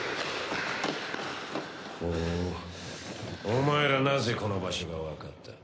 お前らなぜこの場所がわかった？